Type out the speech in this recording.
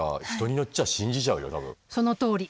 そのとおり。